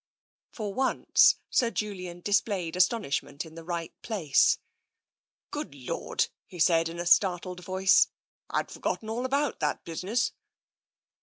For once, Sir Julian displayed astonishment in the right place. " Good Lord !" he said, in a startled voice. " I'd forgotten all about that business."